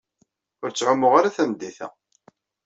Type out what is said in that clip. Ur ttɛumuɣ ara tameddit-a.